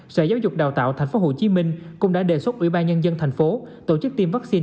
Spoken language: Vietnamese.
sở giáo dục đào tạo tp hcm cũng đã đề xuất ủy ban nhân dân thành phố tổ chức tiêm vaccine